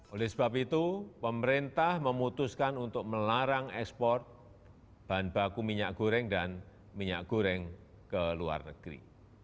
oleh sebab itu pemerintah memutuskan untuk melarang ekspor bahan baku minyak goreng dan minyak goreng ke luar negeri